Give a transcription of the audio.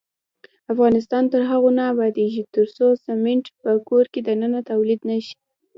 افغانستان تر هغو نه ابادیږي، ترڅو سمنټ په کور دننه تولید نشي.